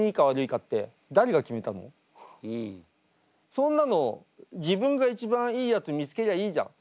そんなの自分が一番いいやつ見つけりゃいいじゃん。